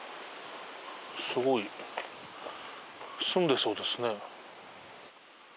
すごい住んでそうですね。